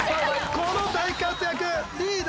この大活躍。